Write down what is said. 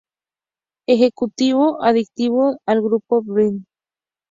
Ejecutivo activo del grupo Bilderberg.